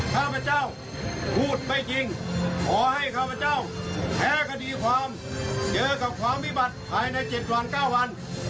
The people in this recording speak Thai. ข้าพเจ้าพูดไม่จริงขอให้ข้าพเจ้าแพ้คดีความเจอกับความวิบัติภายใน๗วัน๙วัน